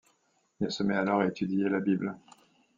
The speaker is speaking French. Il se met alors à étudier la bible.